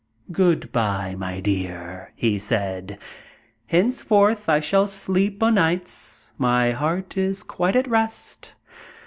"Good by, my dear!" he said; "henceforth I shall sleep o' nights; my heart is quite at rest."